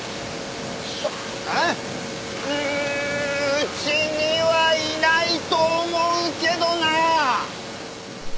うちにはいないと思うけどなあ。